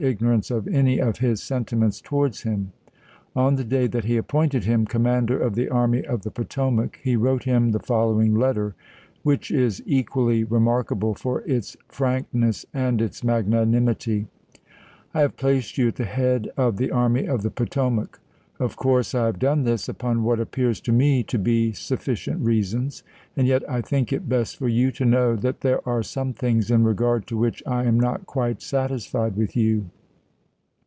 ignorance of any of his sentiments towards him. On the day that he appointed him Com Jan. 26,1863. mander of the Army of the Potomac he wrote him the following letter, which is equally remarkable for its frankness and its magnanimity: "I have placed you at the head of the Army of the Poto mac. Of course I have done this upon what appears to me to be sufficient reasons, and yet I think it best for you to know that there are some things in regard to which I am not quite satisfied with you.